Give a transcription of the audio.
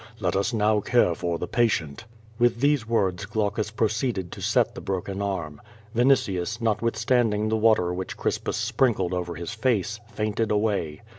Let us now care for the patient." With these words Glaucus proceeded to set the broken arm. Vinitius, notwithstanding the water which Crispus sprinkled over his face, fainted away.